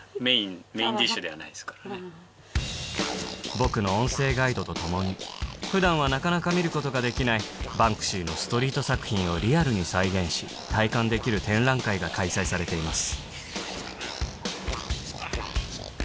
僕の音声ガイドと共に普段はなかなか見ることができないバンクシーのストリート作品をリアルに再現し体感できる展覧会が開催されています